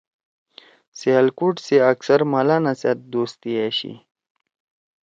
سیالکوٹ سی اکثر ملانا سیت دوستی أشی